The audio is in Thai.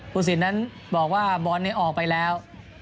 ทุศิลป์นั้นบอกว่าบอลออกไปแล้ว